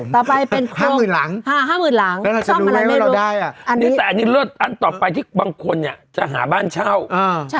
ต่อไปกินข้อมือหลังวิธีห้ามือหลังที่เราได้อ่ะอันตรีแล้วอันต่อไปที่เป็นควรเนี่ยจะหาบ้านเช่า๕๐บาทตอวัน